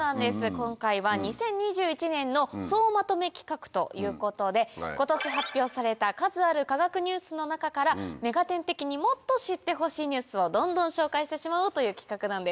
今回は２０２１年の総まとめ企画ということで今年発表された数ある科学ニュースの中から『目がテン！』的にもっと知ってほしいニュースをどんどん紹介してしまおうという企画なんです。